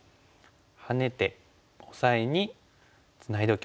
ハネてオサエにツナいでおきます。